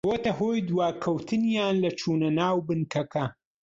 بۆتە هۆی دواکەوتنیان لە چوونە ناو بنکەکە